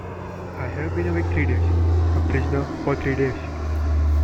I have been awake three days — a prisoner for three days.